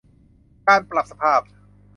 การปรับสภาพ